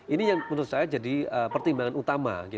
ini yang menurut saya jadi pertimbangan utama